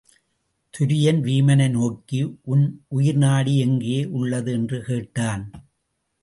துரியன் வீமனை நோக்கி உன் உயிர் நாடி எங்கே உள்ளது? என்று கேட்டான்.